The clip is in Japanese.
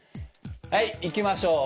はいいきましょう。